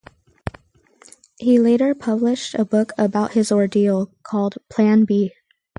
He later published a book about his ordeal, called Plan B.